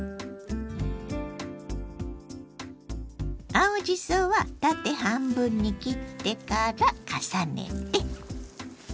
青じそは縦半分に切ってから重ねて。